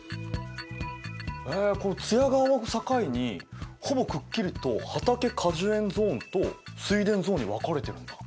津屋川を境にほぼくっきりと畑果樹園ゾーンと水田ゾーンに分かれてるんだ。